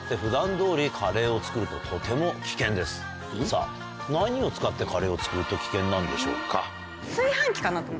さぁ何を使ってカレーを作ると危険なんでしょうか？